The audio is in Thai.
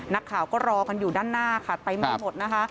นักข่าวก็รอกันอยู่ด้านหน้าค่ะเต็มไปหมดนะคะ